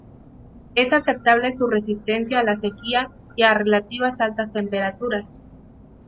Es aceptable su resistencia a la sequía y a relativas altas temperaturas.